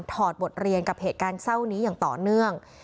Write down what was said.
อดบทเรียนกับเหตุการณ์เศร้านี้อย่างต่อเนื่อง